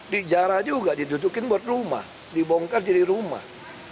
dijarah juga didudukin buat rumah dibongkar jadi rumah